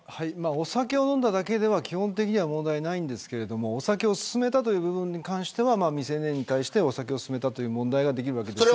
お酒を飲んだだけでは基本的に問題ないんですがお酒を勧めたという部分に関しては未成年に対してお酒が勧めた問題ができるわけです。